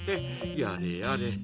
やれやれ。